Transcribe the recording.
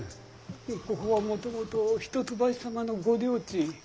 ここはもともと一橋様のご領地。